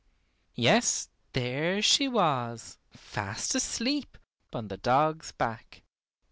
Yes, there she was, fast asleep on the dog's back.